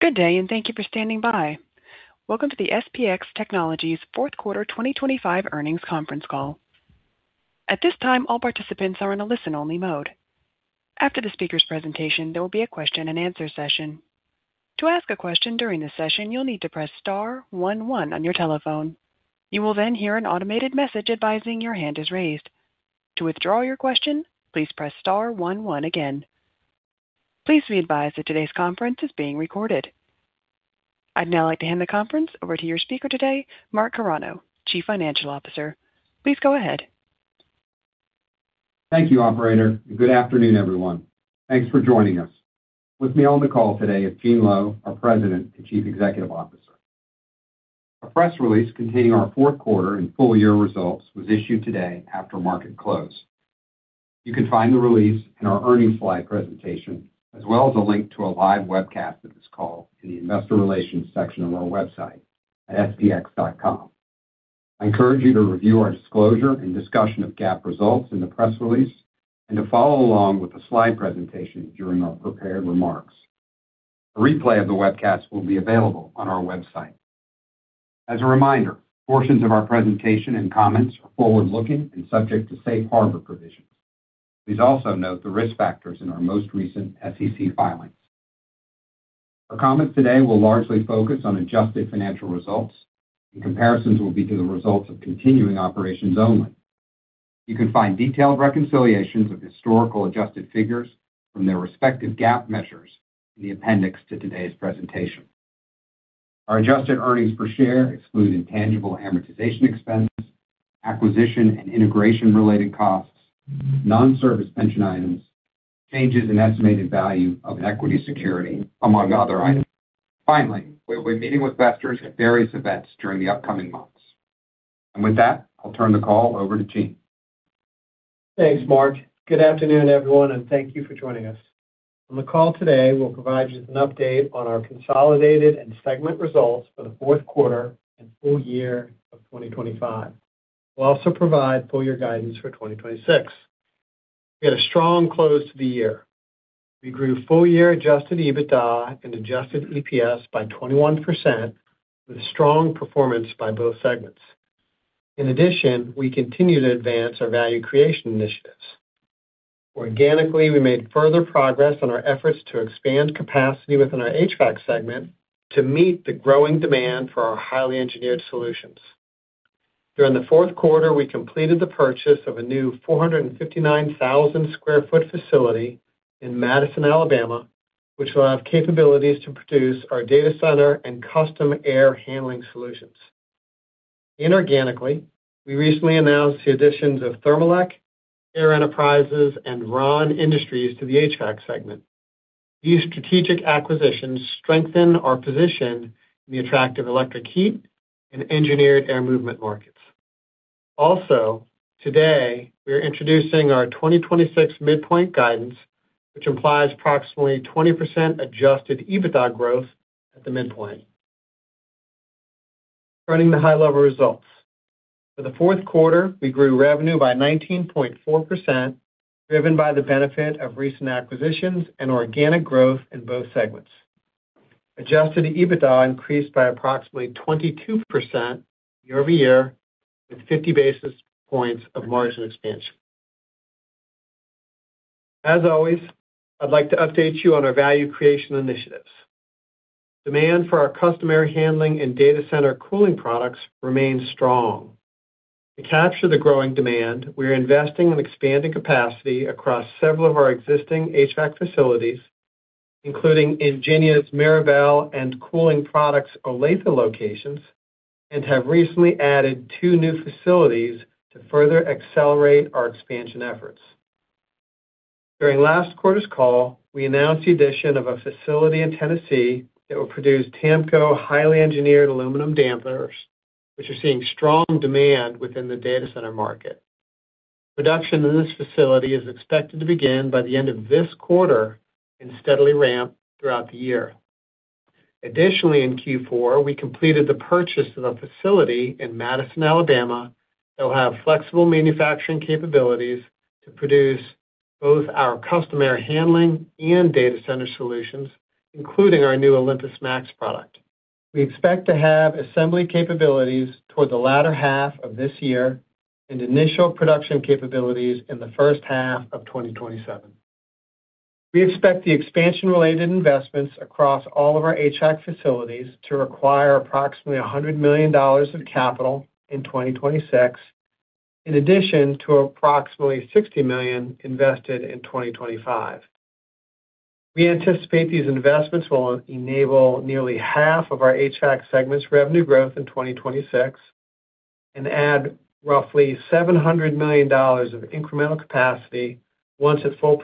Good day. Thank you for standing by. Welcome to the SPX Technologies Fourth Quarter 2025 Earnings Conference Call. At this time, all participants are in a listen-only mode. After the speaker's presentation, there will be a question-and-answer session. To ask a question during the session, you'll need to press star one one on your telephone. You will hear an automated message advising your hand is raised. To withdraw your question, please press star one one again. Please be advised that today's conference is being recorded. I'd now like to hand the conference over to your speaker today, Mark Carano, Chief Financial Officer. Please go ahead. Thank you, operator, and good afternoon, everyone. Thanks for joining us. With me on the call today is Gene Lowe, our President and Chief Executive Officer. A press release containing our fourth quarter and full year results was issued today after market close. You can find the release in our earnings slide presentation, as well as a link to a live webcast of this call in the Investor Relations section of our website at spx.com. I encourage you to review our disclosure and discussion of GAAP results in the press release and to follow along with the slide presentation during our prepared remarks. A replay of the webcast will be available on our website. As a reminder, portions of our presentation and comments are forward-looking and subject to Safe Harbor provisions. Please also note the risk factors in our most recent SEC filings. Our comments today will largely focus on adjusted financial results. Comparisons will be to the results of continuing operations only. You can find detailed reconciliations of historical adjusted figures from their respective GAAP measures in the appendix to today's presentation. Our adjusted earnings per share exclude intangible amortization expenses, acquisition and integration-related costs, non-service pension items, changes in estimated value of equity security, among other items. Finally, we will be meeting with investors at various events during the upcoming months. With that, I'll turn the call over to Gene. Thanks, Mark. Good afternoon, everyone, thank you for joining us. On the call today, we'll provide you with an update on our consolidated and segment results for the fourth quarter and full year of 2025. We'll also provide full year guidance for 2026. We had a strong close to the year. We grew full year adjusted EBITDA and adjusted EPS by 21%, with a strong performance by both segments. In addition, we continue to advance our value creation initiatives. Organically, we made further progress on our efforts to expand capacity within our HVAC segment to meet the growing demand for our highly engineered solutions. During the fourth quarter, we completed the purchase of a new 459,000 sq ft facility in Madison, Alabama, which will have capabilities to produce our data center and custom air handling solutions. Inorganically, we recently announced the additions of Thermelec, Air Enterprises, and Rahn Industries to the HVAC segment. These strategic acquisitions strengthen our position in the attractive electric heat and engineered air movement markets. Today, we are introducing our 2026 midpoint guidance, which implies approximately 20% Adjusted EBITDA growth at the midpoint. Running the high-level results. For the fourth quarter, we grew revenue by 19.4%, driven by the benefit of recent acquisitions and organic growth in both segments. Adjusted EBITDA increased by approximately 22% year-over-year, with 50 basis points of margin expansion. As always, I'd like to update you on our value creation initiatives. Demand for our customer handling and data center cooling products remains strong. To capture the growing demand, we are investing in expanding capacity across several of our existing HVAC facilities, including Ingenia's Mirabel and Cooling Products, Olathe locations, and have recently added two new facilities to further accelerate our expansion efforts. During last quarter's call, we announced the addition of a facility in Tennessee that will produce TAMCO highly engineered aluminum dampers, which are seeing strong demand within the data center market. Production in this facility is expected to begin by the end of this quarter and steadily ramp throughout the year. Additionally, in Q4, we completed the purchase of a facility in Madison, Alabama, that will have flexible manufacturing capabilities to produce both our custom air handling and data center solutions, including our new OlympusMAX product. We expect to have assembly capabilities toward the latter half of this year and initial production capabilities in the first half of 2027. We expect the expansion-related investments across all of our HVAC facilities to require approximately $100 million of capital in 2026, in addition to approximately $60 million invested in 2025. We anticipate these investments will enable nearly half of our HVAC segment's revenue growth in 2026 and add roughly $700 million of incremental capacity once at full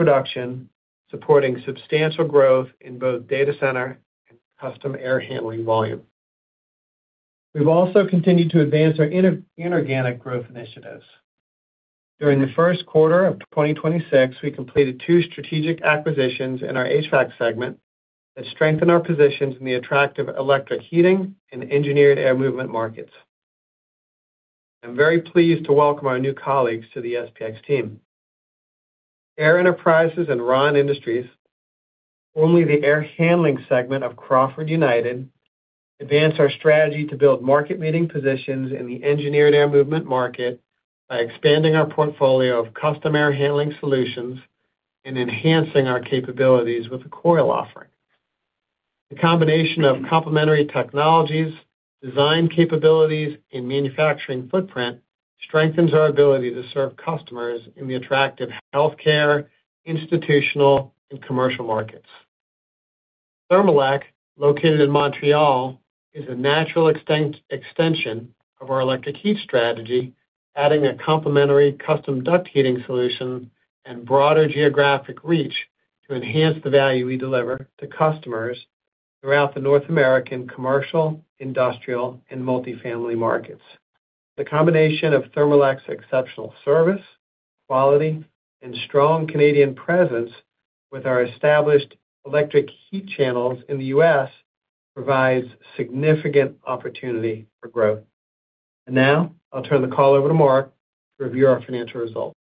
production, supporting substantial growth in both data center and custom air handling volume. We've also continued to advance our inorganic growth initiatives. During the first quarter of 2026, we completed two strategic acquisitions in our HVAC segment that strengthen our positions in the attractive electric heating and engineered air movement markets. I'm very pleased to welcome our new colleagues to the SPX team. Air Enterprises and Rahn Industries, formerly the air handling segment of Crawford United, advance our strategy to build market-leading positions in the engineered air movement market by expanding our portfolio of custom air handling solutions and enhancing our capabilities with a coil offering. The combination of complementary technologies, design capabilities, and manufacturing footprint strengthens our ability to serve customers in the attractive healthcare, institutional, and commercial markets. Thermelec, located in Montreal, is a natural extension of our electric heat strategy, adding a complementary custom duct heating solution and broader geographic reach to enhance the value we deliver to customers throughout the North American commercial, industrial, and multifamily markets. The combination of Thermelec's exceptional service, quality, and strong Canadian presence with our established electric heat channels in the U.S. provides significant opportunity for growth. Now, I'll turn the call over to Mark to review our financial results.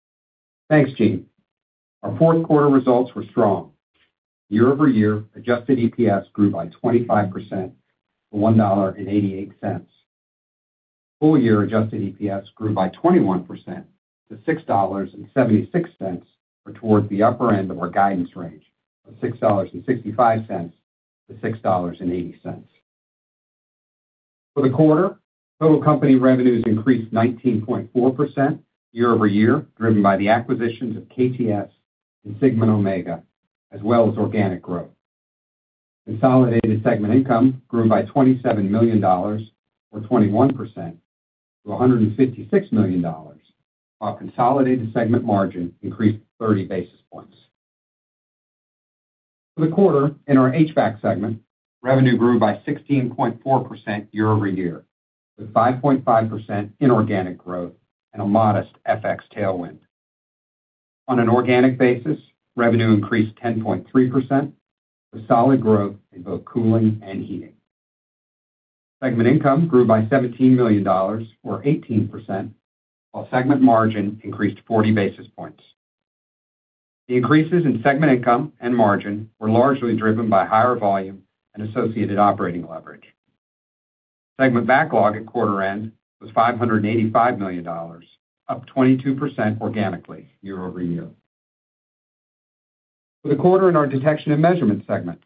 Thanks, Gene. Our fourth quarter results were strong. Year-over-year adjusted EPS grew by 25% to $1.88. Full-year adjusted EPS grew by 21% to $6.76, or towards the upper end of our guidance range of $6.65-$6.80. For the quarter, total company revenues increased 19.4% year-over-year, driven by the acquisitions of KTS and Sigma & Omega, as well as organic growth. Consolidated segment income grew by $27 million, or 21%, to $156 million, while consolidated segment margin increased 30 basis points. For the quarter, in our HVAC segment, revenue grew by 16.4% year-over-year, with 5.5% inorganic growth and a modest FX tailwind. On an organic basis, revenue increased 10.3%, with solid growth in both cooling and heating. Segment income grew by $17 million or 18%, while segment margin increased 40 basis points. The increases in segment income and margin were largely driven by higher volume and associated operating leverage. Segment backlog at quarter end was $585 million, up 22% organically year-over-year. For the quarter in our detection and measurement segment,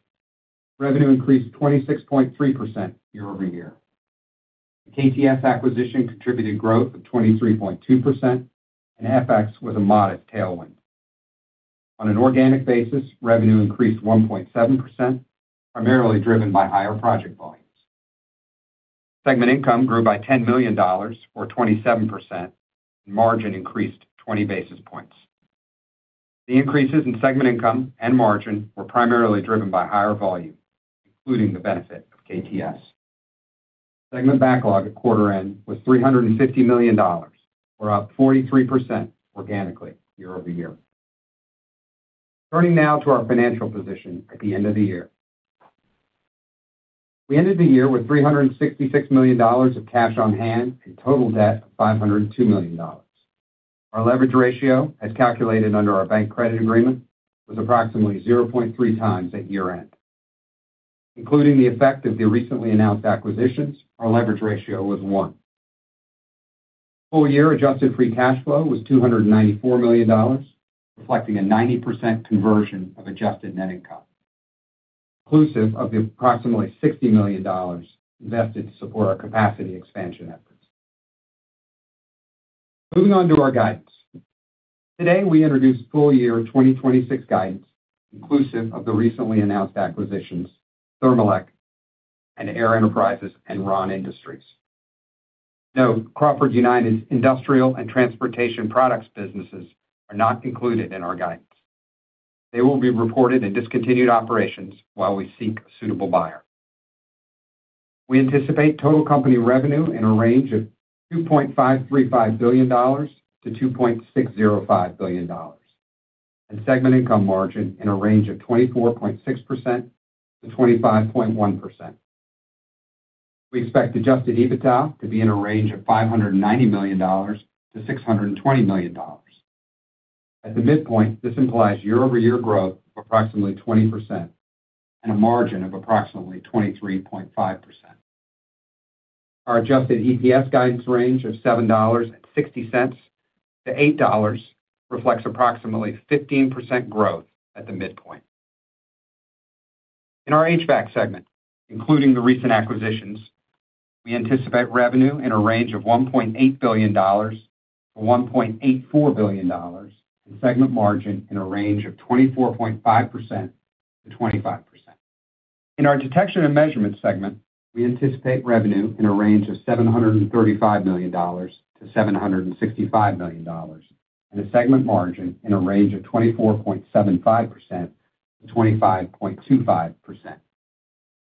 revenue increased 26.3% year-over-year. The KTS acquisition contributed growth of 23.2%, FX was a modest tailwind. On an organic basis, revenue increased 1.7%, primarily driven by higher project volumes. Segment income grew by $10 million or 27%. Margin increased 20 basis points. The increases in segment income and margin were primarily driven by higher volume, including the benefit of KTS. Segment backlog at quarter end was $350 million, or up 43% organically year-over-year. Turning now to our financial position at the end of the year. We ended the year with $366 million of cash on hand and total debt of $502 million. Our leverage ratio, as calculated under our bank credit agreement, was approximately 0.3 times at year-end. Including the effect of the recently announced acquisitions, our leverage ratio was 1. Full-year adjusted free cash flow was $294 million, reflecting a 90% conversion of adjusted net income, inclusive of the approximately $60 million invested to support our capacity expansion efforts. Moving on to our guidance. Today, we introduced full year 2026 guidance, inclusive of the recently announced acquisitions, Thermelec and Air Enterprises and Rahn Industries. Note: Crawford United's Industrial and Transportation Products businesses are not included in our guidance. They will be reported in discontinued operations while we seek a suitable buyer. We anticipate total company revenue in a range of $2.535 billion-$2.605 billion, and segment income margin in a range of 24.6%-25.1%. We expect Adjusted EBITDA to be in a range of $590 million-$620 million. At the midpoint, this implies year-over-year growth of approximately 20% and a margin of approximately 23.5%. Our adjusted EPS guidance range of $7.60-$8.00 reflects approximately 15% growth at the midpoint. In our HVAC segment, including the recent acquisitions, we anticipate revenue in a range of $1.8 billion-$1.84 billion, and segment margin in a range of 24.5%-25%. In our detection and measurement segment, we anticipate revenue in a range of $735 million-$765 million, and a segment margin in a range of 24.75%-25.25%.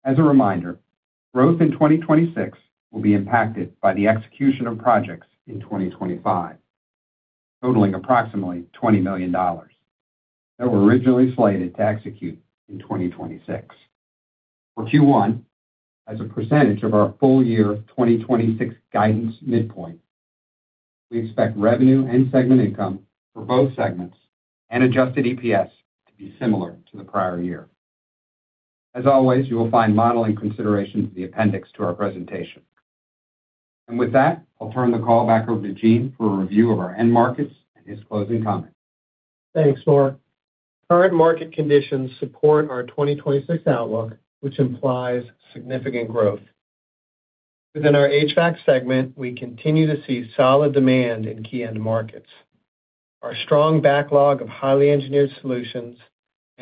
As a reminder, growth in 2026 will be impacted by the execution of projects in 2025, totaling approximately $20 million that were originally slated to execute in 2026. For Q1, as a percentage of our full year 2026 guidance midpoint, we expect revenue and segment income for both segments and adjusted EPS to be similar to the prior year. As always, you will find modeling considerations in the appendix to our presentation. With that, I'll turn the call back over to Gene for a review of our end markets and his closing comments. Thanks, Mark. Current market conditions support our 2026 outlook, which implies significant growth. Within our HVAC segment, we continue to see solid demand in key end markets. Our strong backlog of highly engineered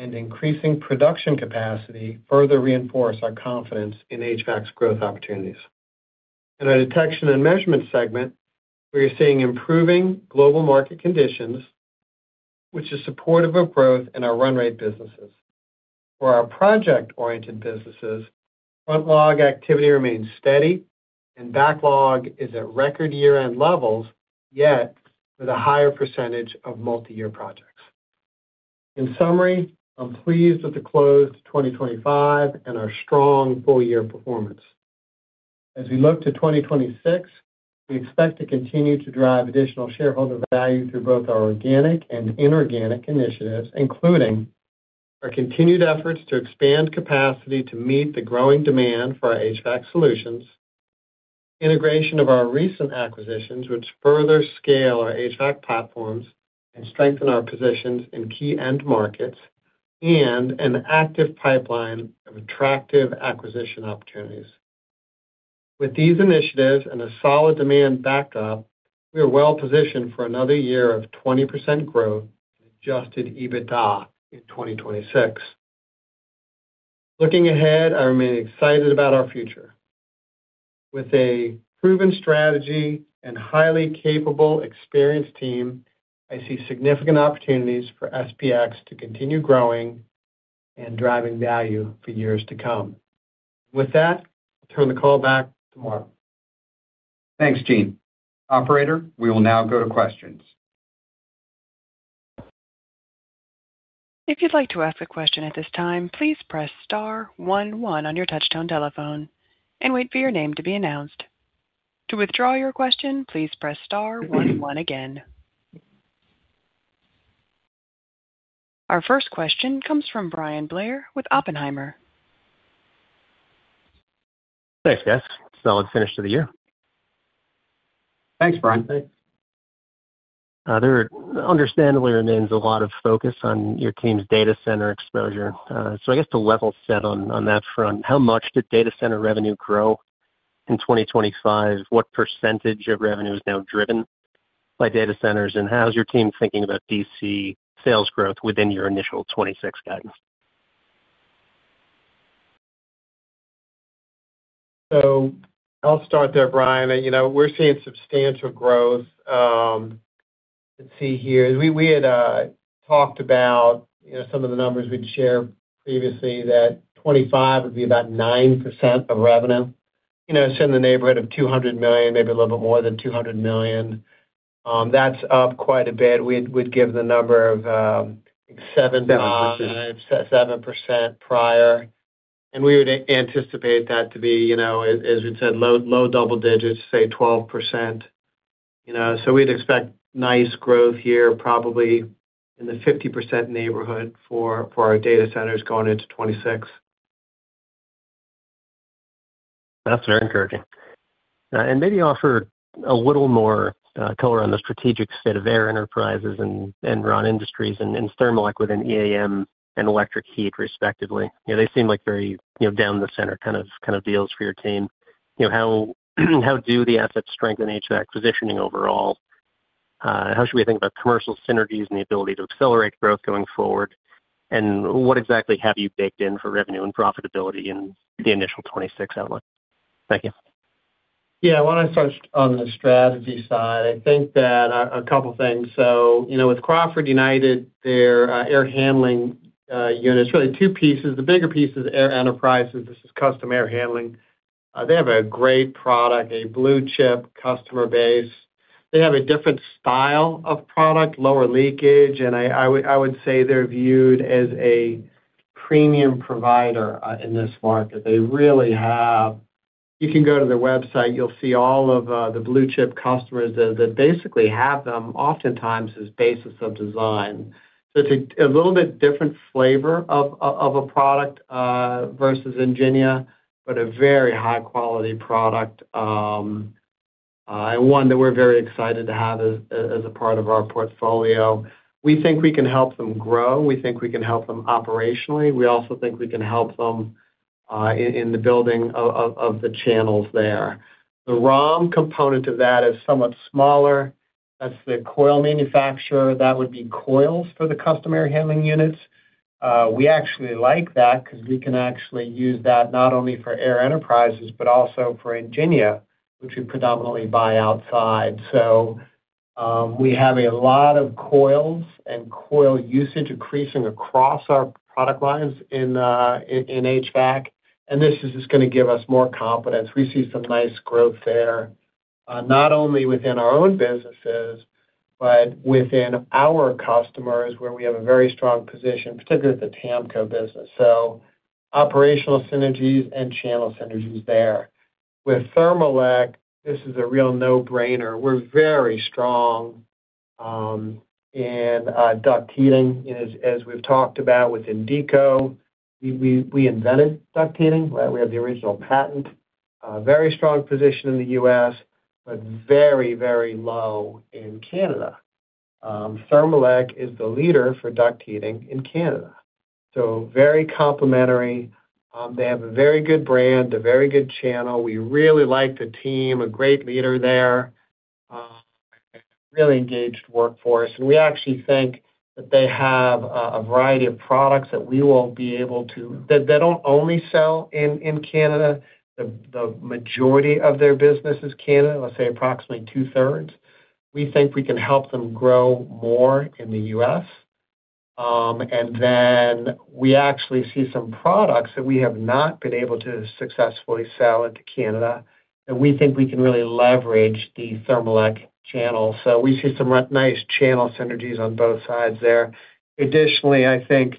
solutions and increasing production capacity further reinforce our confidence in HVAC's growth opportunities. In our detection and measurement segment, we are seeing improving global market conditions, which is supportive of growth in our run rate businesses. For our project-oriented businesses, front log activity remains steady and backlog is at record year-end levels, yet with a higher percentage of multiyear projects. In summary, I'm pleased with the close to 2025 and our strong full year performance. As we look to 2026, we expect to continue to drive additional shareholder value through both our organic and inorganic initiatives, including our continued efforts to expand capacity to meet the growing demand for our HVAC solutions, integration of our recent acquisitions, which further scale our HVAC platforms and strengthen our positions in key end markets, and an active pipeline of attractive acquisition opportunities. With these initiatives and a solid demand backup, we are well positioned for another year of 20% growth and adjusted EBITDA in 2026. Looking ahead, I remain excited about our future. With a proven strategy and highly capable, experienced team, I see significant opportunities for SPX to continue growing and driving value for years to come. With that, I'll turn the call back to Mark. Thanks, Gene. Operator, we will now go to questions. If you'd like to ask a question at this time, please press star one one on your touchtone telephone and wait for your name to be announced. To withdraw your question, please press star one one again. Our first question comes from Bryan Blair with Oppenheimer. Thanks, guys. Solid finish to the year. Thanks, Bryan. Thanks. There understandably remains a lot of focus on your team's data center exposure. I guess to level set on that front, how much did data center revenue grow in 2025? What percentage of revenue is now driven by data centers, and how is your team thinking about DC sales growth within your initial 2026 guidance? I'll start there, Brian. You know, we're seeing substantial growth. Let's see here. We had talked about, you know, some of the numbers we'd shared previously, that 25 would be about 9% of revenue. You know, it's in the neighborhood of $200 million, maybe a little bit more than $200 million. That's up quite a bit. We'd give the number of 7% prior, and we would anticipate that to be, you know, as we said, low, low double digits, say 12%. You know, we'd expect nice growth here, probably in the 50% neighborhood for our data centers going into 2026. That's very encouraging. Maybe offer a little more color on the strategic state of Air Enterprises and Rahn Industries and Thermelec, EAM and Electric Heat, respectively. You know, they seem like very, you know, down the center kind of, kind of deals for your team. You know, how do the assets strengthen HVAC positioning overall? How should we think about commercial synergies and the ability to accelerate growth going forward? What exactly have you baked in for revenue and profitability in the initial 2026 outlook? Thank you. When I first on the strategy side, I think that a couple things. You know, with Crawford United, their air handling unit, it's really two pieces. The bigger piece is Air Enterprises. This is custom air handling. They have a great product, a blue chip customer base. They have a different style of product, lower leakage, and I would say they're viewed as a premium provider in this market. You can go to their website, you'll see all of the blue chip customers that basically have them oftentimes as basis of design. It's a little bit different flavor of a product versus Ingénia, but a very high-quality product and one that we're very excited to have as a part of our portfolio. We think we can help them grow. We think we can help them operationally. We also think we can help them in the building of the channels there. The Rahn component of that is somewhat smaller. That's the coil manufacturer. That would be coils for the customary handling units. We actually like that because we can actually use that not only for Air Enterprises, but also for Ingénia, which we predominantly buy outside. We have a lot of coils and coil usage increasing across our product lines in HVAC, and this is just going to give us more confidence. We see some nice growth there, not only within our own businesses, but within our customers, where we have a very strong position, particularly at the TAMCO business. Operational synergies and channel synergies there. With Thermelec, this is a real no-brainer. We're very strong in duct heating. As we've talked about with Indeeco, we invented duct heating, right? We have the original patent. Very strong position in the U.S., but very, very low in Canada. Thermelec is the leader for duct heating in Canada, so very complementary. They have a very good brand, a very good channel. We really like the team, a great leader there, really engaged workforce. We actually think that they have a variety of products that we will be able to that they don't only sell in Canada. The majority of their business is Canada, let's say approximately 2/3. We think we can help them grow more in the U.S. We actually see some products that we have not been able to successfully sell into Canada, that we think we can really leverage the Thermelec channel. We see some nice channel synergies on both sides there. Additionally, I think,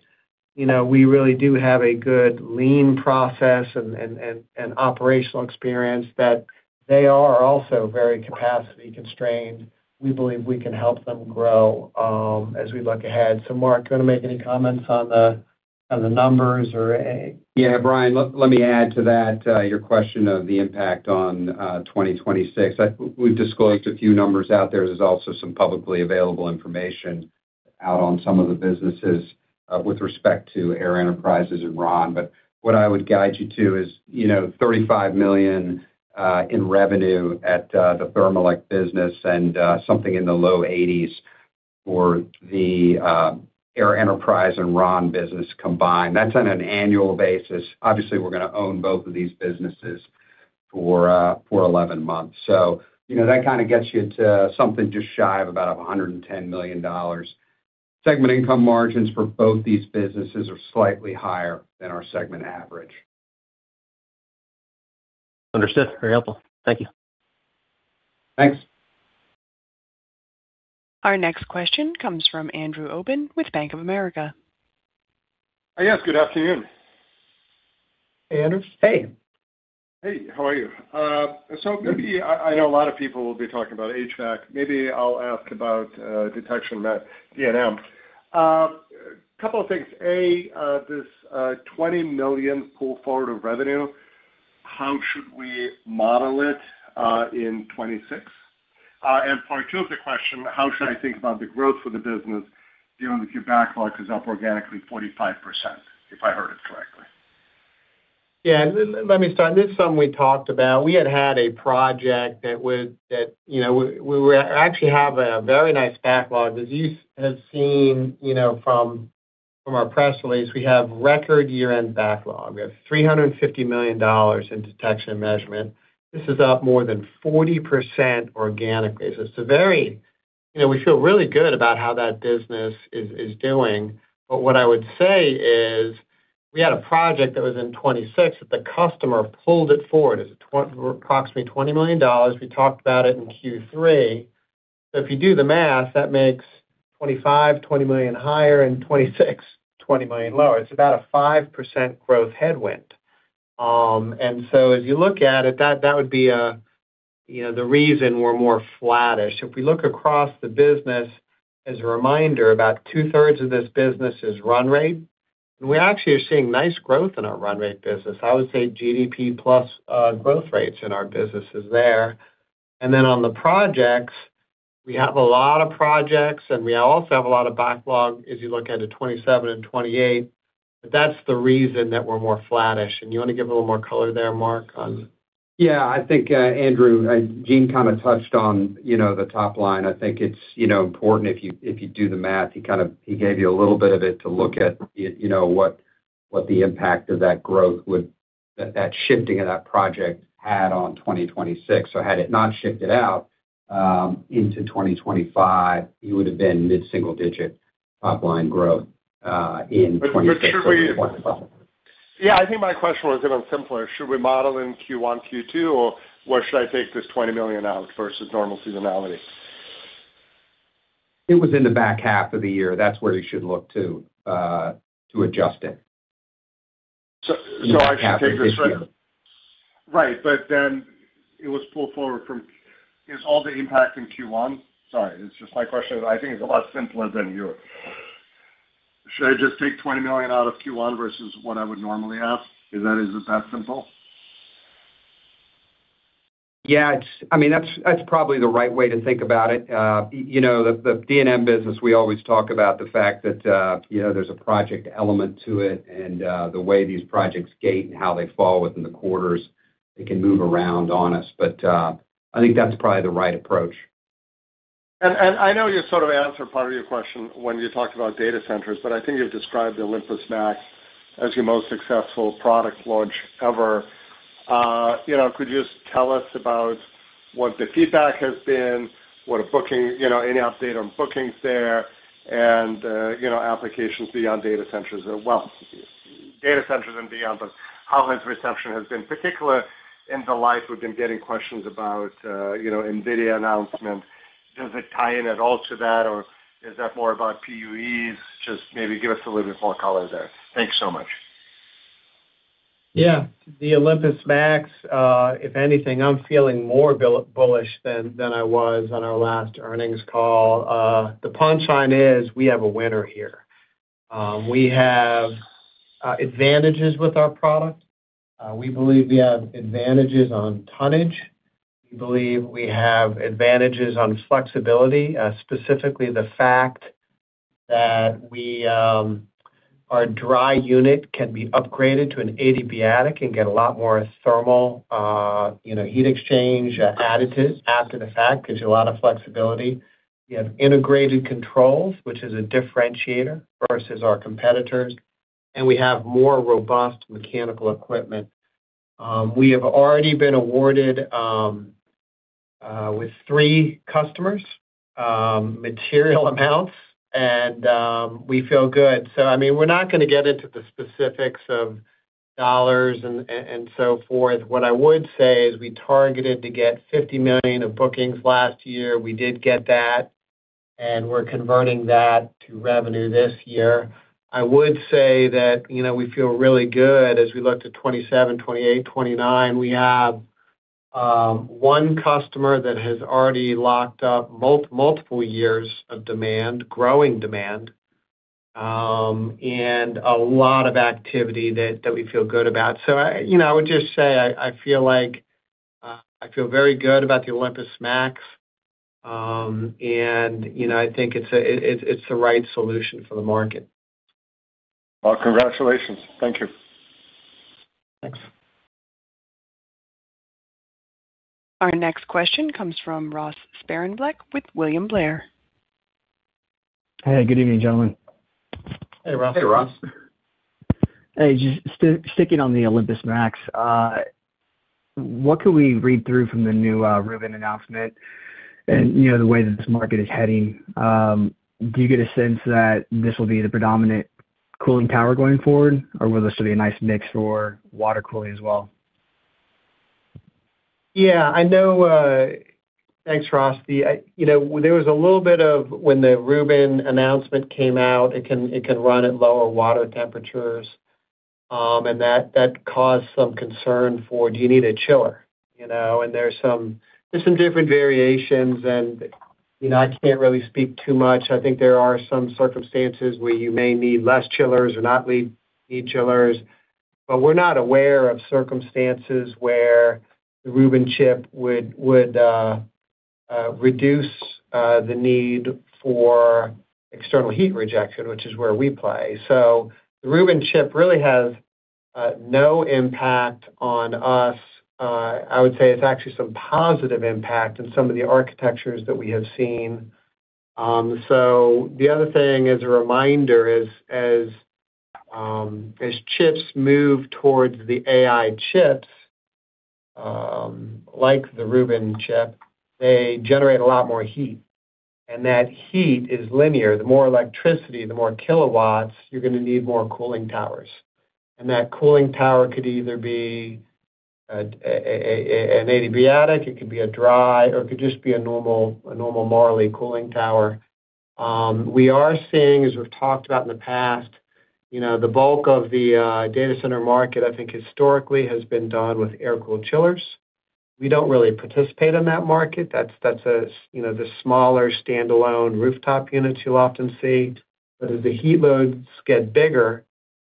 you know, we really do have a good lean process and operational experience, that they are also very capacity constrained. We believe we can help them grow as we look ahead. Mark, do you want to make any comments on the, on the numbers? Yeah, Bryan, let me add to that, your question of the impact on 2026. We've disclosed a few numbers out there. There's also some publicly available information out on some of the businesses with respect to Air Enterprises and Rahn. What I would guide you to is, you know, $35 million in revenue at the Thermelec business, and something in the low $80 million for the Air Enterprises and Rahn business combined. That's on an annual basis. Obviously, we're gonna own both of these businesses for 11 months. You know, that kind of gets you to something just shy of about $110 million. Segment income margins for both these businesses are slightly higher than our segment average. Understood. Very helpful. Thank you. Thanks. Our next question comes from Andrew Obin with Bank of America. Yes, good afternoon. Andrew, hey. Hey, how are you? Maybe I know a lot of people will be talking about HVAC. Maybe I'll ask about detection, D&M. Couple of things. A, this, $20 million pull forward of revenue, how should we model it in 2026? Part two of the question, how should I think about the growth for the business, given that your backlog is up organically 45%, if I heard it correctly? Yeah, let me start. This is something we talked about. We had a project. That, you know, we were actually have a very nice backlog. As you have seen, you know, from our press release, we have record year-end backlog. We have $350 million in detection and measurement. This is up more than 40% organically. It's a very, you know, we feel really good about how that business is doing. But what I would say is, we had a project that was in 2026, that the customer pulled it forward. It's approximately $20 million. We talked about it in Q3. If you do the math, that makes 2025, $20 million higher and 2026, $20 million lower. It's about a 5% growth headwind. As you look at it, that would be a, you know, the reason we're more flattish. If we look across the business, as a reminder, about 2/3 of this business is run rate, and we actually are seeing nice growth in our run rate business. I would say GDP plus growth rates in our businesses there. On the projects, we have a lot of projects, and we also have a lot of backlog as you look ahead to 2027 and 2028. That's the reason that we're more flattish. You want to give a little more color there, Mark, on? Yeah, I think, Andrew, Gene kind of touched on, you know, the top line. I think it's, you know, important if you, if you do the math, he gave you a little bit of it to look at, you know, what the impact of that growth would. That shifting of that project had on 2026. Had it not shifted out into 2025, it would have been mid-single digit top line growth in 2025. Yeah, I think my question was even simpler: Should we model in Q1, Q2, or where should I take this $20 million out versus normal seasonality? It was in the back half of the year. That's where you should look to to adjust it. I should take. In the back half of this year. Right. It was pulled forward from... Is all the impact in Q1? Sorry, it's just my question, I think, is a lot simpler than yours. Should I just take $20 million out of Q1 versus what I would normally have? Is that, is it that simple? Yeah, I mean, that's probably the right way to think about it. You know, the D&M business, we always talk about the fact that, you know, there's a project element to it, and the way these projects gate and how they fall within the quarters, they can move around on us. I think that's probably the right approach. I know you sort of answered part of your question when you talked about data centers, but I think you've described the OlympusMAX as your most successful product launch ever. you know, could you just tell us about what the feedback has been, what a booking, you know, any update on bookings there, and, you know, applications beyond data centers as well?... data centers and beyond, but how has reception been, particularly in the life we've been getting questions about, you know, NVIDIA announcement? Does it tie in at all to that, or is that more about PUEs? Just maybe give us a little bit more color there. Thanks so much. Yeah, the OlympusMAX, if anything, I'm feeling more bullish than I was on our last earnings call. The punchline is we have a winner here. We have advantages with our product. We believe we have advantages on tonnage. We believe we have advantages on flexibility, specifically the fact that our dry unit can be upgraded to an adiabatic and get a lot more thermal, you know, heat exchange additive after the fact, gives you a lot of flexibility. We have integrated controls, which is a differentiator versus our competitors, and we have more robust mechanical equipment. We have already been awarded with 3 customers, material amounts, and we feel good. I mean, we're not gonna get into the specifics of dollars and so forth. What I would say is we targeted to get $50 million of bookings last year. We did get that, and we're converting that to revenue this year. I would say that, you know, we feel really good as we look to 2027, 2028, 2029. We have one customer that has already locked up multiple years of demand, growing demand, and a lot of activity that we feel good about. I, you know, I would just say I feel very good about the OlympusMAX. You know, I think it's a, it's the right solution for the market. Well, congratulations. Thank you. Thanks. Our next question comes from Ross Sparenblek with William Blair. Hey, good evening, gentlemen. Hey, Ross. Hey, Ross. Hey, just sticking on the OlympusMAX, what can we read through from the new Rubin announcement? You know, the way that this market is heading, do you get a sense that this will be the predominant cooling tower going forward, or will this be a nice mix for water cooling as well? Yeah, I know. Thanks, Ross. You know, there was a little bit of when the Rubin announcement came out, it can run at lower water temperatures, and that caused some concern for do you need a chiller, you know, and there's some, there's some different variations and, you know, I can't really speak too much. I think there are some circumstances where you may need less chillers or not need chillers, but we're not aware of circumstances where the Rubin chip would reduce the need for external heat rejection, which is where we play. The Rubin chip really has no impact on us. I would say it's actually some positive impact in some of the architectures that we have seen. The other thing, as a reminder, is as chips move towards the AI chips, like the Rubin chip, they generate a lot more heat, and that heat is linear. The more electricity, the more kilowatts, you're gonna need more cooling towers, and that cooling tower could either be a, a, an adiabatic, it could be a dry, or it could just be a normal, a normal Marley cooling tower. We are seeing, as we've talked about in the past, you know, the bulk of the data center market, I think, historically has been done with air-cooled chillers. We don't really participate in that market. That's, that's a, you know, the smaller, standalone rooftop units you'll often see. As the heat loads get bigger,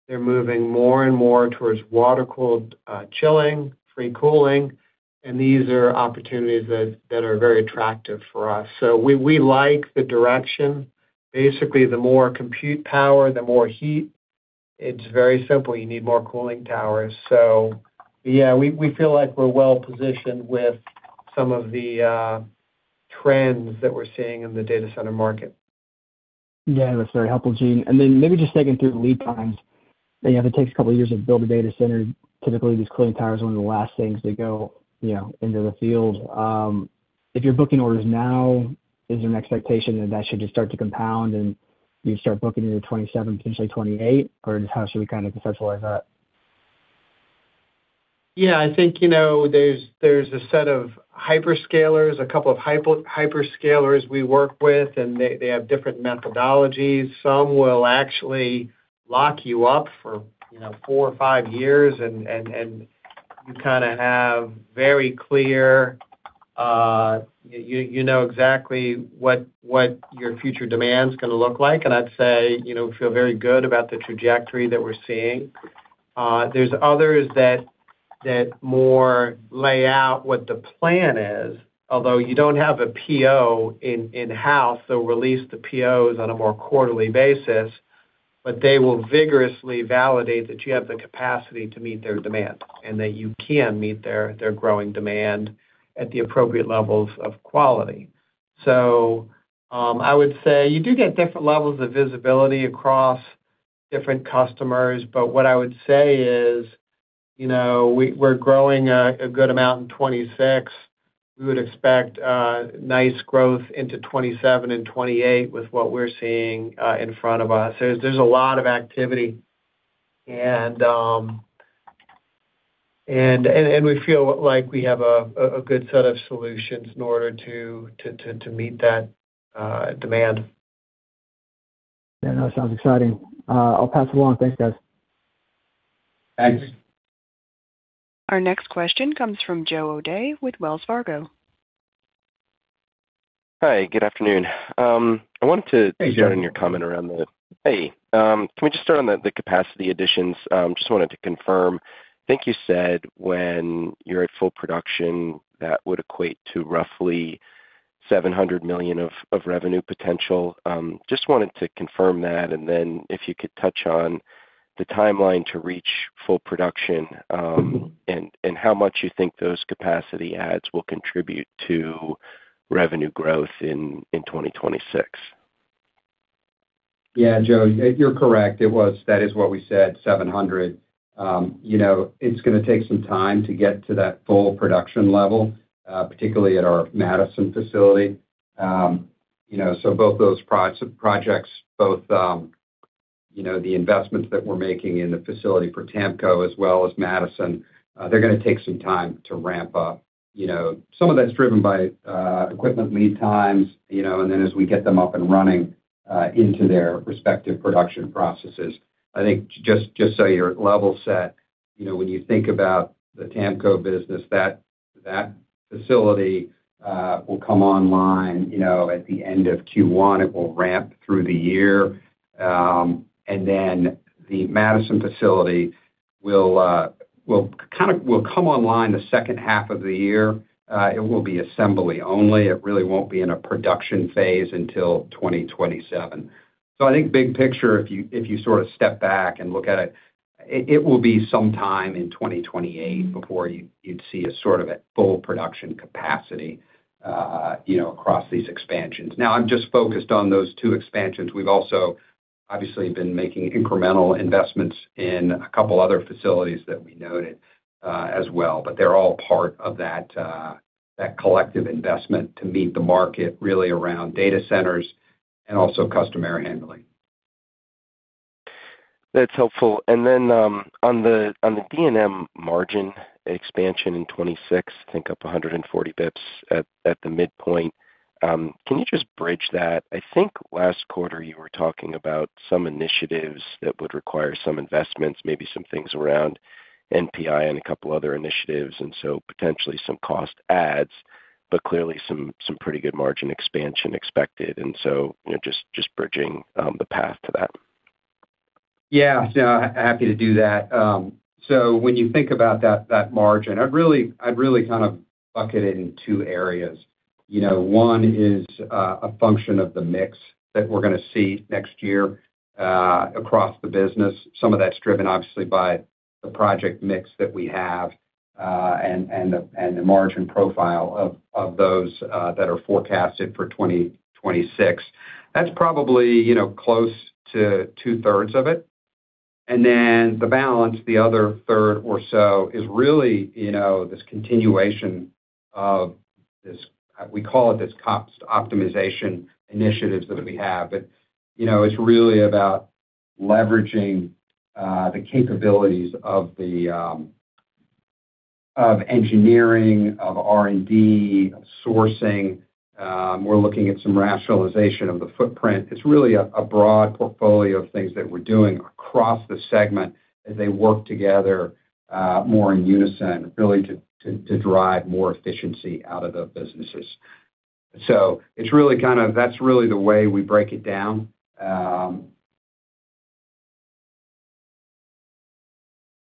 they're moving more and more towards water-cooled, chilling, free cooling, and these are opportunities that are very attractive for us. We, we like the direction. Basically, the more compute power, the more heat. It's very simple. You need more cooling towers. Yeah, we feel like we're well-positioned with some of the trends that we're seeing in the data center market. Yeah, that's very helpful, Gene. Maybe just thinking through the lead times, you know, if it takes a couple of years to build a data center, typically, these cooling towers are one of the last things to go, you know, into the field. If you're booking orders now, is there an expectation that that should just start to compound, and you start booking into 2027, potentially 2028, or just how should we kind of conceptualize that? Yeah, I think, you know, there's a set of hyperscalers, a couple of hyperscalers we work with, and they have different methodologies. Some will actually lock you up for, you know, four or five years, and you kind of have very clear, you know exactly what your future demand's gonna look like. I'd say, you know, we feel very good about the trajectory that we're seeing. There's others that more lay out what the plan is, although you don't have a PO in-house, they'll release the POs on a more quarterly basis, but they will vigorously validate that you have the capacity to meet their demand and that you can meet their growing demand at the appropriate levels of quality. I would say you do get different levels of visibility across different customers, but what I would say.... you know, we're growing a good amount in 26. We would expect nice growth into 27 and 28 with what we're seeing in front of us. There's a lot of activity, and we feel like we have a good set of solutions in order to meet that demand. Yeah, that sounds exciting. I'll pass it along. Thanks, guys. Thanks. Our next question comes from Joe O'Dea with Wells Fargo. Hi, good afternoon. Hey, Joe. Zero in your comment around the. Hey, can we just start on the capacity additions? Just wanted to confirm. I think you said when you're at full production, that would equate to roughly $700 million of revenue potential. Just wanted to confirm that, and then if you could touch on the timeline to reach full production, and how much you think those capacity adds will contribute to revenue growth in 2026. Yeah, Joe, you're correct. That is what we said, 700. You know, it's gonna take some time to get to that full production level, particularly at our Madison facility. You know, both those projects, both, you know, the investments that we're making in the facility for TAMCO as well as Madison, they're gonna take some time to ramp up. You know, some of that's driven by equipment lead times, you know, as we get them up and running into their respective production processes. I think just so you're level set, you know, when you think about the TAMCO business, that facility will come online, you know, at the end of Q1, it will ramp through the year. The Madison facility will come online the second half of the year. It will be assembly only. It really won't be in a production phase until 2027. I think big picture, if you, if you sort of step back and look at it, it will be sometime in 2028 before you'd see a sort of a full production capacity, you know, across these expansions. I'm just focused on those 2 expansions. We've also obviously been making incremental investments in a couple other facilities that we noted as well, but they're all part of that collective investment to meet the market, really around data centers and also customer air handling. That's helpful. On the D&M margin expansion in 2026, I think up 140 basis points at the midpoint. Can you just bridge that? I think last quarter you were talking about some initiatives that would require some investments, maybe some things around NPI and a couple other initiatives, potentially some cost adds, but clearly some pretty good margin expansion expected. You know, just bridging the path to that. Happy to do that. When you think about that margin, I'd really kind of bucket it in two areas. You know, one is a function of the mix that we're gonna see next year across the business. Some of that's driven obviously by the project mix that we have and the margin profile of those that are forecasted for 2026. That's probably, you know, close to two-thirds of it. The balance, the other third or so, is really, you know, this continuation of this we call it this cost optimization initiatives that we have. You know, it's really about leveraging the capabilities of engineering, of R&D, of sourcing. We're looking at some rationalization of the footprint. It's really a broad portfolio of things that we're doing across the segment as they work together, more in unison, really, to drive more efficiency out of the businesses. That's really the way we break it down.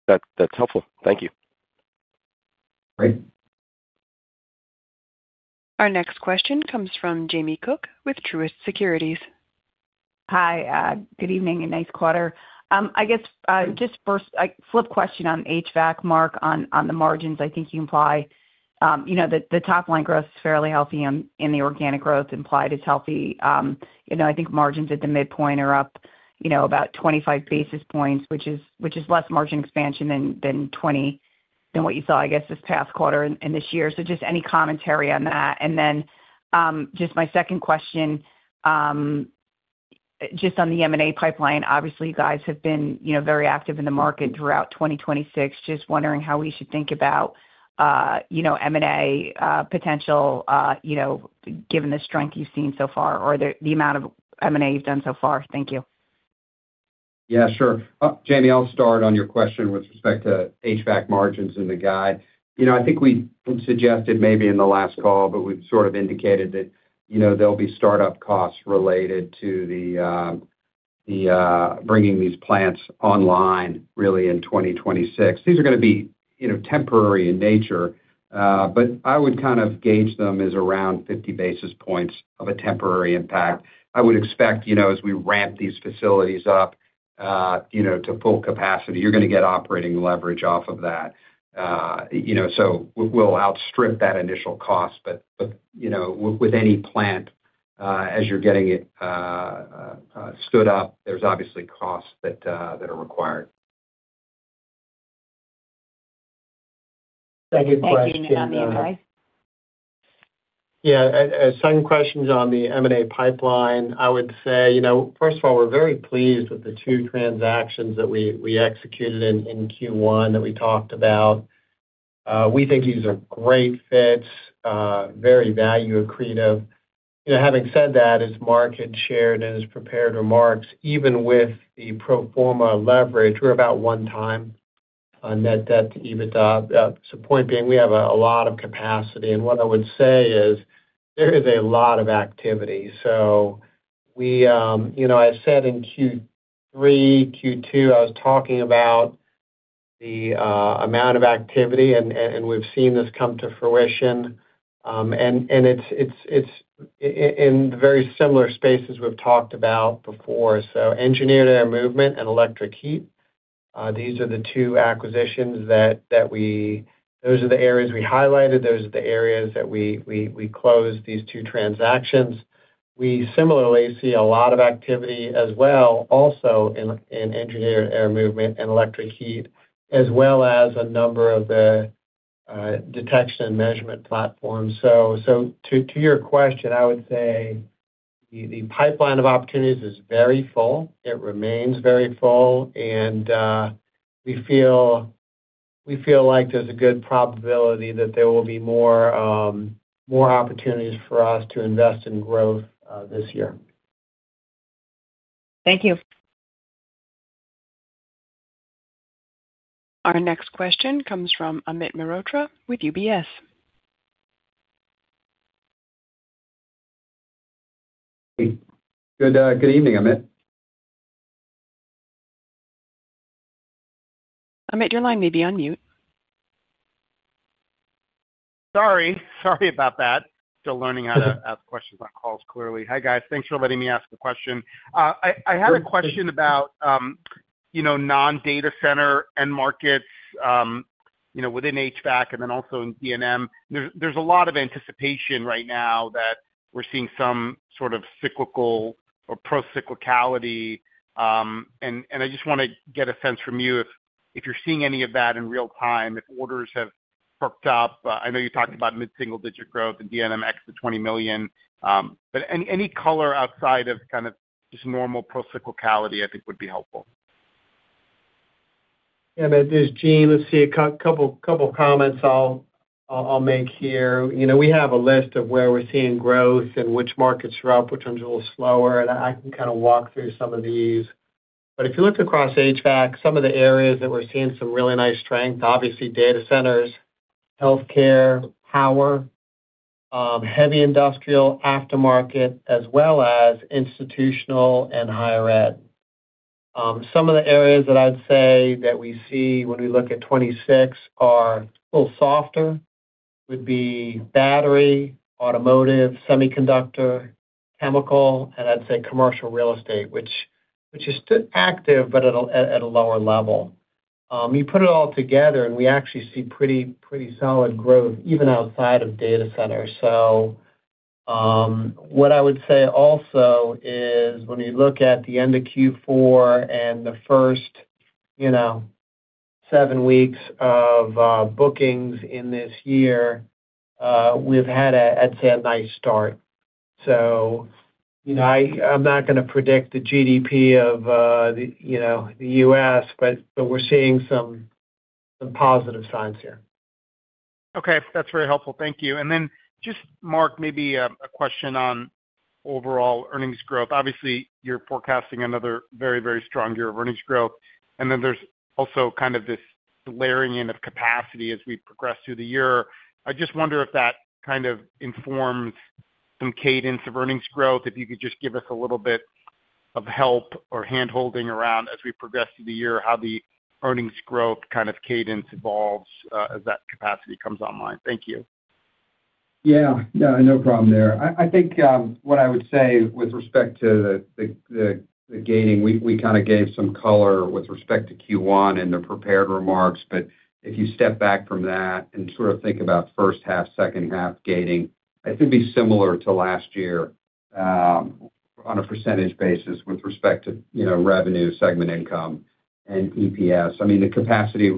That's helpful. Thank you. Great. Our next question comes from Jamie Cook with Truist Securities. Hi, good evening, and nice quarter. I guess, just first, a flip question on HVAC, Mark, on the margins, I think you imply, you know, that the top line growth is fairly healthy and the organic growth implied is healthy. You know, I think margins at the midpoint are up, you know, about 25 basis points, which is less margin expansion than 20, than what you saw, I guess, this past quarter and this year. Just any commentary on that. Just my second question, just on the M&A pipeline, obviously, you guys have been, you know, very active in the market throughout 2026. Just wondering how we should think about, you know, M&A, potential, you know, given the strength you've seen so far or the amount of M&A you've done so far. Thank you. Yeah, sure. Jamie, I'll start on your question with respect to HVAC margins in the guide. You know, I think we suggested maybe in the last call, but we've sort of indicated that, you know, there'll be startup costs related to the bringing these plants online really in 2026. These are gonna be, you know, temporary in nature, but I would kind of gauge them as around 50 basis points of a temporary impact. I would expect, you know, as we ramp these facilities up, you know, to full capacity, you're gonna get operating leverage off of that. So we'll outstrip that initial cost. You know, with any plant, as you're getting it stood up, there's obviously costs that are required. Thank you. Gene, on the end. Yeah, some questions on the M&A pipeline. I would say, you know, first of all, we're very pleased with the two transactions that we executed in Q1 that we talked about. We think these are great fits, very value accretive. You know, having said that, as Mark had shared in his prepared remarks, even with the pro forma leverage, we're about one time on net debt to EBITDA. Point being, we have a lot of capacity, and what I would say is there is a lot of activity. We, you know, I said in Q3, Q2, I was talking about the amount of activity, and we've seen this come to fruition. And it's in very similar spaces we've talked about before. Engineered air movement and electric heat, these are the two acquisitions those are the areas we highlighted. Those are the areas that we closed these two transactions. We similarly see a lot of activity as well, also in engineered air movement and electric heat, as well as a number of the detection and measurement platforms. To your question, I would say the pipeline of opportunities is very full. It remains very full, and we feel like there's a good probability that there will be more opportunities for us to invest in growth this year. Thank you. Our next question comes from Amit Mehrotra with UBS. Good evening, Amit. Amit, your line may be on mute. Sorry about that. Still learning how to ask questions on calls clearly. Hi, guys. Thanks for letting me ask a question. I had a question about, you know, non-data center end markets, you know, within HVAC and then also in D&M. There's a lot of anticipation right now that we're seeing some sort of cyclical or procyclicality, and I just wanna get a sense from you if you're seeing any of that in real time, if orders have perked up. I know you talked about mid-single-digit growth in D&M ex the $20 million, but any color outside of kind of just normal procyclicality, I think would be helpful. This is Gene. Let's see, a couple comments I'll make here. You know, we have a list of where we're seeing growth and which markets are outputting a little slower, and I can kind of walk through some of these. If you look across HVAC, some of the areas that we're seeing some really nice strength, obviously, data centers, healthcare, power, heavy industrial, aftermarket, as well as institutional and higher ed. Some of the areas that I'd say that we see when we look at 26 are a little softer, would be battery, automotive, semiconductor, chemical, and I'd say commercial real estate, which is still active, but at a lower level. You put it all together, we actually see pretty solid growth, even outside of data centers. What I would say also is when you look at the end of Q4 and the first, you know, seven weeks of bookings in this year, we've had a, I'd say, a nice start. You know, I'm not gonna predict the GDP of the, you know, the U.S., but we're seeing some positive signs here. Okay. That's very helpful. Thank you. Mark, maybe a question on overall earnings growth. Obviously, you're forecasting another very, very strong year of earnings growth, and then there's also kind of this layering in of capacity as we progress through the year. I just wonder if that kind of informs some cadence of earnings growth. If you could just give us a little bit of help or handholding around as we progress through the year, how the earnings growth kind of cadence evolves as that capacity comes online. Thank you. Yeah, no problem there. I think, what I would say with respect to the gating, we kinda gave some color with respect to Q1 and the prepared remarks, but if you step back from that and sort of think about first half, second half gating, it should be similar to last year on a percentage basis with respect to, you know, revenue, segment income and EPS. I mean, the capacity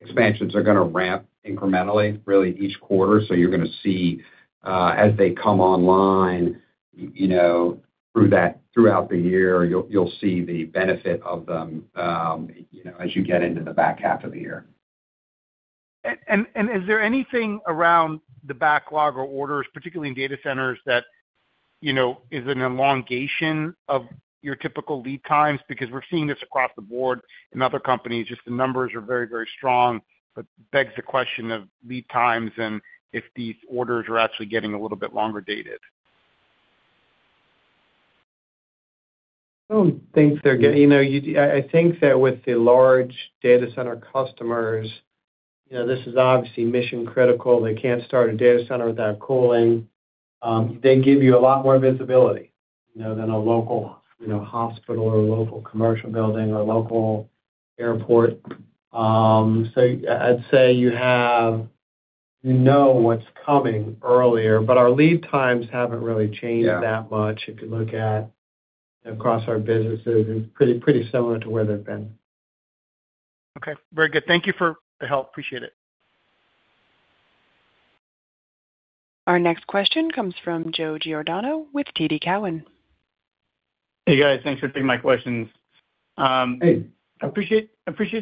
expansions are gonna ramp incrementally, really each quarter. You're gonna see, as they come online, you know, throughout the year, you'll see the benefit of them, you know, as you get into the back half of the year. Is there anything around the backlog or orders, particularly in data centers, that, you know, is an elongation of your typical lead times? Because we're seeing this across the board in other companies, just the numbers are very, very strong, but begs the question of lead times and if these orders are actually getting a little bit longer dated. You know, I think that with the large data center customers, you know, this is obviously mission-critical. They can't start a data center without cooling. They give you a lot more visibility, you know, than a local, you know, hospital or a local commercial building or a local airport. I'd say you have, you know what's coming earlier, but our lead times haven't really changed that much. Yeah. If you look at across our businesses, it's pretty similar to where they've been. Very good. Thank you for the help. Appreciate it. Our next question comes from Joseph Giordano with TD Cowen. Hey, guys. Thanks for taking my questions. Hey. I appreciate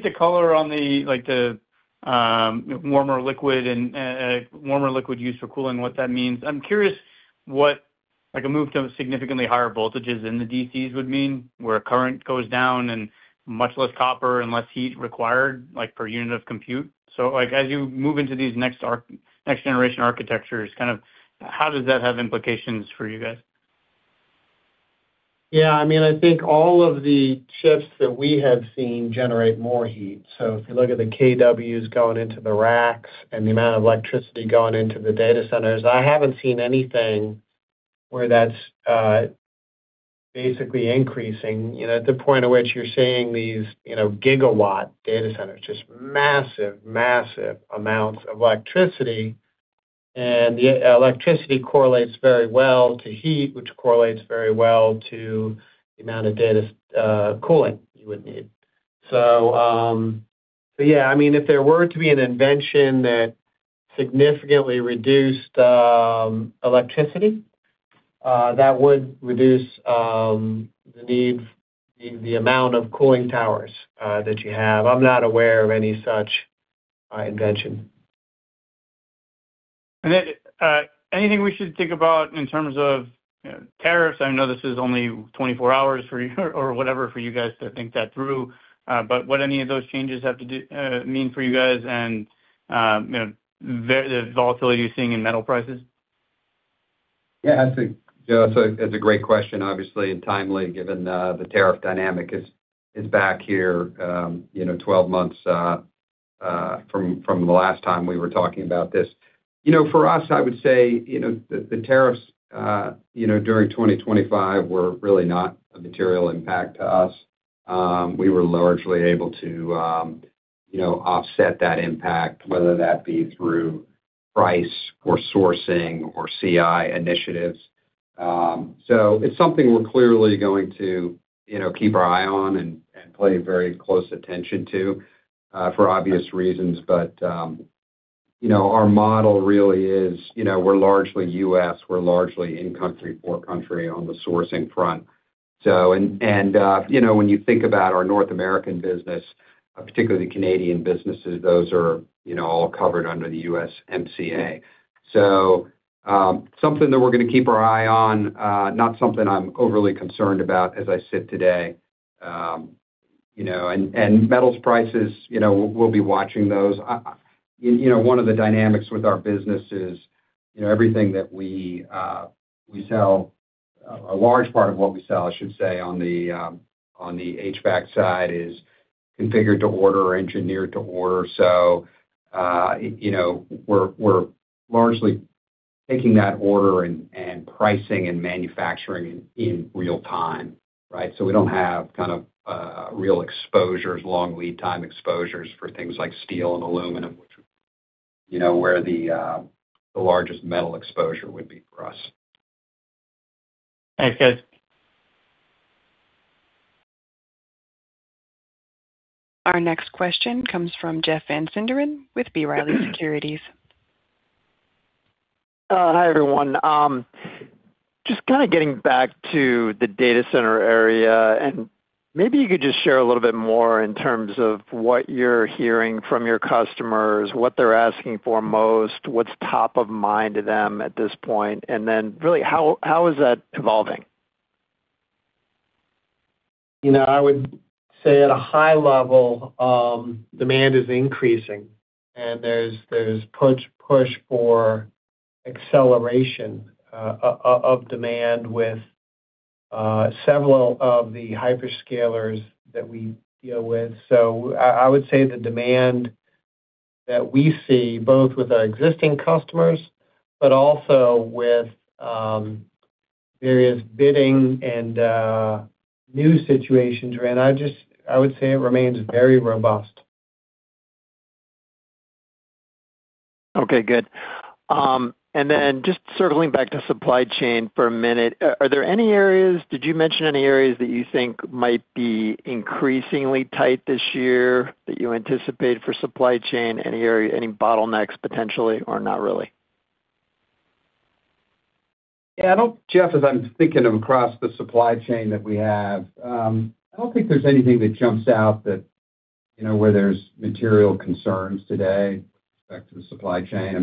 the color on the, like, the warmer liquid and warmer liquid used for cooling, what that means. I'm curious what, like, a move to significantly higher voltages in the DCs would mean, where current goes down and much less copper and less heat required, like, per unit of compute. Like, as you move into these next-generation architectures, kind of, how does that have implications for you guys? Yeah, I mean, I think all of the chips that we have seen generate more heat. If you look at the kW going into the racks and the amount of electricity going into the data centers, I haven't seen anything where that's basically increasing. You know, at the point of which you're seeing these, you know, gigawatt data centers, just massive amounts of electricity, and the electricity correlates very well to heat, which correlates very well to the amount of data cooling you would need. Yeah, I mean, if there were to be an invention that significantly reduced electricity, that would reduce the need, the amount of cooling towers that you have. I'm not aware of any such invention. Anything we should think about in terms of tariffs? I know this is only 24 hours for you, or whatever, for you guys to think that through. But what any of those changes mean for you guys and, you know, the volatility you're seeing in metal prices? Yeah, I think, Joe, that's a great question, obviously, and timely, given the tariff dynamic is back here, you know, 12 months from the last time we were talking about this. You know, for us, I would say, you know, the tariffs, you know, during 2025 were really not a material impact to us. We were largely able to, you know, offset that impact, whether that be through price or sourcing or CI initiatives. It's something we're clearly going to, you know, keep our eye on and pay very close attention to for obvious reasons. Our model really is, you know, we're largely US, we're largely in country, for country on the sourcing front. You know, when you think about our North American business, particularly the Canadian businesses, those are, you know, all covered under the USMCA. Something that we're going to keep our eye on, not something I'm overly concerned about as I sit today. You know, and metals prices, you know, we'll be watching those. You know, one of the dynamics with our business is, you know, everything that we sell, a large part of what we sell, I should say, on the HVAC side, is configured to order or engineered to order. You know, we're largely taking that order and pricing and manufacturing in real time, right? We don't have kind of, real exposures, long lead time exposures for things like steel and aluminum, which, you know, where the largest metal exposure would be for us. Thanks, guys. Our next question comes from Jeff Van Sinderen with B. Riley Securities. Hi, everyone. Just kind of getting back to the data center area. Maybe you could just share a little bit more in terms of what you're hearing from your customers, what they're asking for most, what's top of mind to them at this point, then really, how is that evolving? You know, I would say at a high level, demand is increasing, and there's push for acceleration of demand with several of the hyperscalers that we deal with. I would say the demand that we see, both with our existing customers, but also with various bidding and new situations, and I would say it remains very robust. Okay, good. Just circling back to supply chain for a minute. Did you mention any areas that you think might be increasingly tight this year, that you anticipate for supply chain? Any area, any bottlenecks, potentially, or not really? Yeah, Jeff, as I'm thinking across the supply chain that we have, I don't think there's anything that jumps out that, you know, where there's material concerns today back to the supply chain. I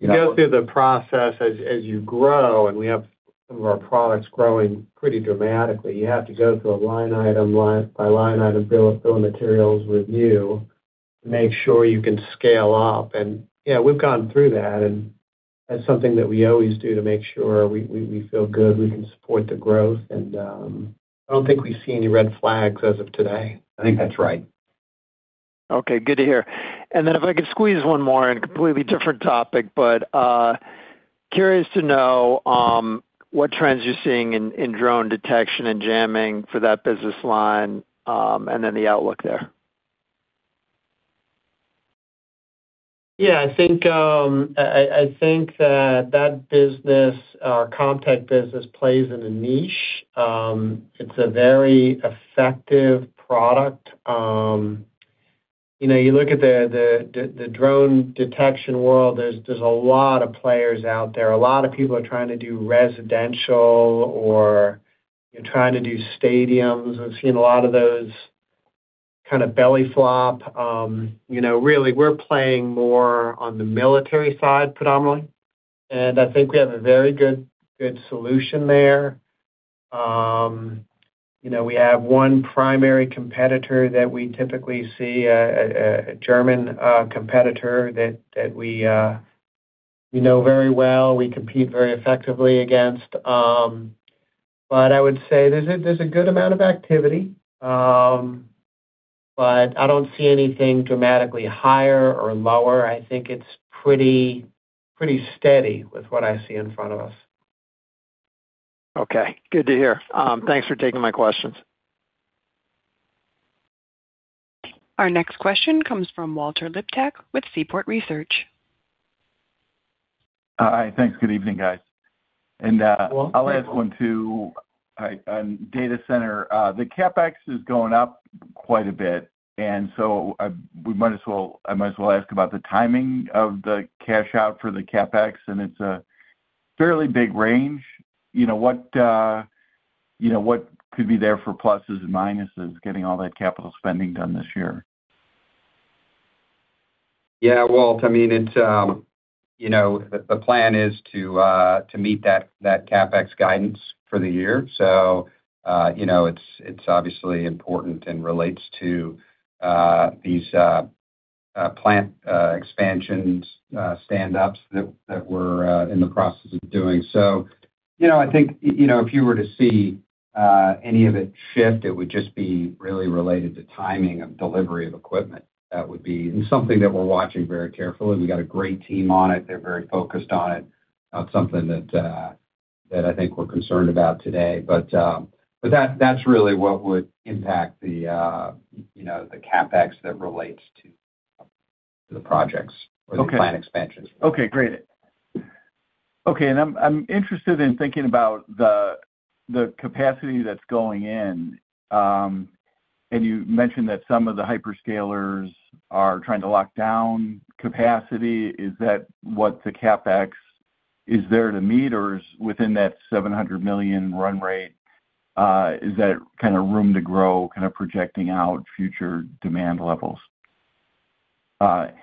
mean, you know. You go through the process as you grow, and we have some of our products growing pretty dramatically. You have to go through a line item by line item, bill of materials review, to make sure you can scale up. Yeah, we've gone through that, and that's something that we always do to make sure we feel good, we can support the growth. I don't think we see any red flags as of today. I think that's right. Okay, good to hear. If I could squeeze one more in, a completely different topic, but curious to know what trends you're seeing in drone detection and jamming for that business line, and then the outlook there? Yeah, I think that that business, our CommTech business, plays in a niche. It's a very effective product. You know, you look at the drone detection world, there's a lot of players out there. A lot of people are trying to do residential or trying to do stadiums. I've seen a lot of those kind of belly flop. You know, really, we're playing more on the military side, predominantly, and I think we have a very good solution there. You know, we have one primary competitor that we typically see, a German competitor that we know very well, we compete very effectively against. I would say there's a good amount of activity, but I don't see anything dramatically higher or lower. I think it's pretty steady with what I see in front of us. Good to hear. Thanks for taking my questions. Our next question comes from Walter Liptak with Seaport Research. Hi. Thanks. Good evening, guys. Walt. I'll ask one, too. Hi, on data center, the CapEx is going up quite a bit, and so I might as well ask about the timing of the cash out for the CapEx, and it's a fairly big range. You know, what, you know, what could be there for pluses and minuses, getting all that capital spending done this year? Yeah, Walt, I mean, it's, you know, the plan is to meet that CapEx guidance for the year. It's obviously important and relates to these plant expansions, stand-ups that we're in the process of doing. You know, I think, you know, if you were to see any of it shift, it would just be really related to timing of delivery of equipment. That would be something that we're watching very carefully. We've got a great team on it. They're very focused on it. Not something that I think we're concerned about today, but that's really what would impact the, you know, the CapEx that relates to the projects. Okay. The plan expansions. Okay, great. Okay, I'm interested in thinking about the capacity that's going in. You mentioned that some of the hyperscalers are trying to lock down capacity. Is that what the CapEx is there to meet, or is within that $700 million run rate, is that kind of room to grow, kind of projecting out future demand levels?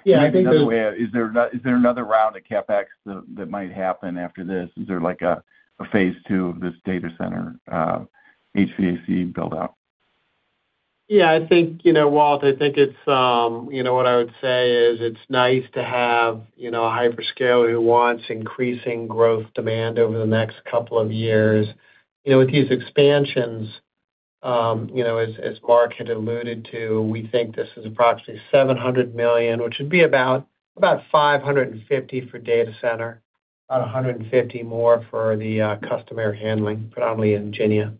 Yeah, I think. Another way, is there another round of CapEx that might happen after this? Is there like a phase 2 of this data center HVAC build-out? I think, you know, Walt, I think it's, you know, what I would say is, it's nice to have, you know, a hyperscaler who wants increasing growth demand over the next couple of years. You know, with these expansions, you know, as Mark had alluded to, we think this is approximately $700 million, which would be about $550 million for data center, about $150 million more for the customer handling, predominantly in Ingénia.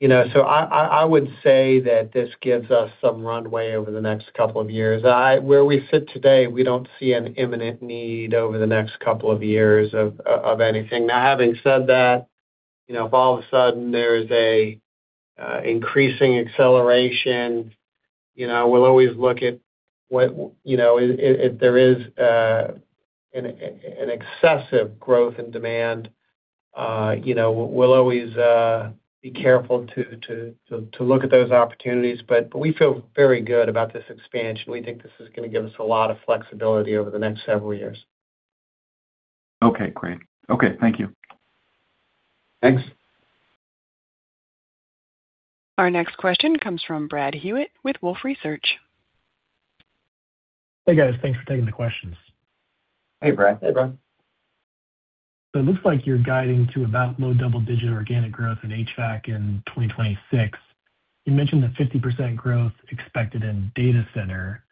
You know, I would say that this gives us some runway over the next couple of years. Where we sit today, we don't see an imminent need over the next couple of years of anything. Having said that, you know, if all of a sudden there is an increasing acceleration, you know, we'll always look at what, you know. If there is an excessive growth in demand, you know, we'll always be careful to look at those opportunities. We feel very good about this expansion. We think this is gonna give us a lot of flexibility over the next several years. Okay, great. Okay, thank you. Thanks. Our next question comes from Bradley Hewitt with Wolfe Research. Hey, guys. Thanks for taking the questions. Hey, Brad. Hey, Brad. It looks like you're guiding to about low double-digit organic growth in HVAC in 2026. You mentioned the 50% growth expected in data center,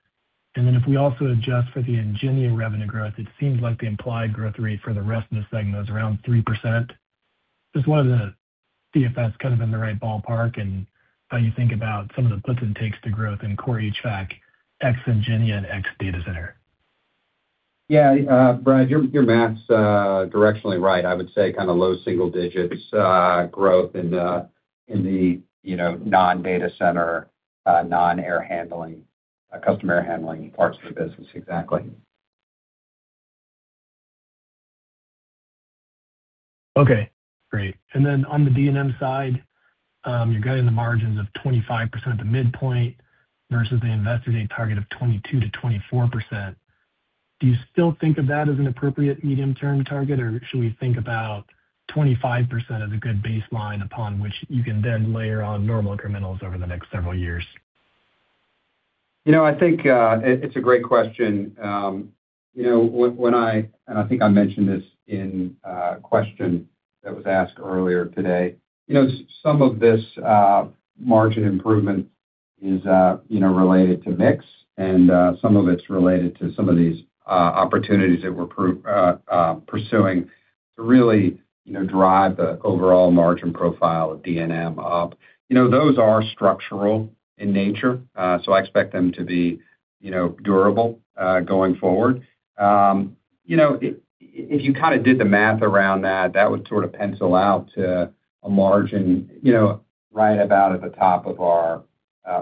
and then if we also adjust for the Ingénia revenue growth, it seems like the implied growth rate for the rest of the segment is around 3%. Just wanted to see if that's kind of in the right ballpark, and how you think about some of the puts and takes to growth in core HVAC, ex Ingénia and ex data center. Yeah, Brad, your math's directionally right. I would say kind of low single digits, growth in the, in the, you know, non-data center, non-air handling, customer handling parts of the business. Exactly. Great. Then on the DNM side, you're guiding the margins of 25% at the midpoint versus the invested 8 target of 22%-24%. Do you still think of that as an appropriate medium-term target, or should we think about 25% as a good baseline upon which you can then layer on normal incrementals over the next several years? You know, I think it's a great question. You know, when I think I mentioned this in a question that was asked earlier today. You know, some of this margin improvement is, you know, related to mix, and some of it's related to some of these opportunities that we're pursuing to really, you know, drive the overall margin profile of DNM up. You know, those are structural in nature, so I expect them to be, you know, durable going forward. You know, if you kind of did the math around that would sort of pencil out to a margin, you know, right about at the top of our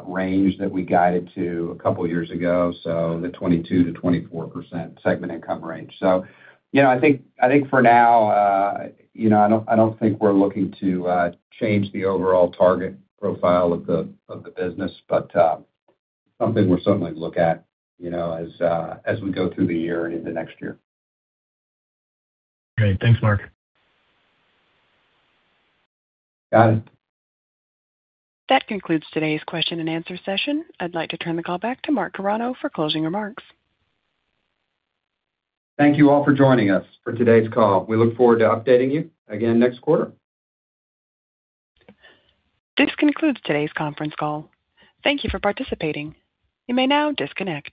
range that we guided to a couple years ago, so the 22%-24% segment income range. You know, I think for now, you know, I don't think we're looking to change the overall target profile of the business, but something we'll certainly look at, you know, as we go through the year and into next year. Great. Thanks, Mark. Got it. That concludes today's question and answer session. I'd like to turn the call back to Mark Carano for closing remarks. Thank you all for joining us for today's call. We look forward to updating you again next quarter. This concludes today's conference call. Thank you for participating. You may now disconnect.